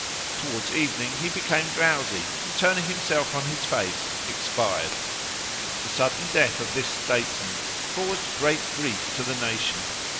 Towards evening he became drowsy, and turning himself on his face, expired. The sudden death of this statesman caused great grief to the nation.